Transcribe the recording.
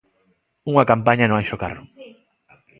Unha campaña no Anxo Carro.